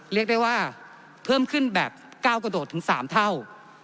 เรียกได้ว่าเพิ่มขึ้นแบบ๙กระโดดถึง๓เท่า